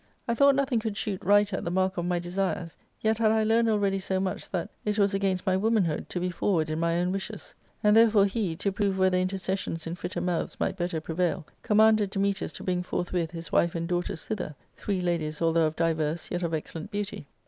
I thought nothing could shoot righter at the mark of my desires ; yet had I learned already so much, that it was against my womanhood to be forward in pny nwp wish£S._JVnd therefore he, to prove whether intercessions in fitter mouths might better prevail, commanded Dametas to bring forthwith his wife and daughters thither^Jhree ladies, although of diverse, yet of excellent beauty.